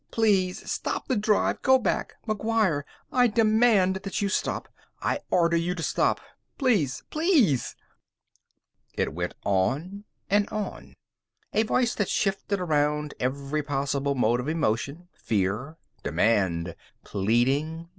Please! Stop the drive! Go back! McGuire! I demand that you stop! I order you to stop! Please! PLEASE! It went on and on. A voice that shifted around every possible mode of emotion. Fear. Demand. Pleading.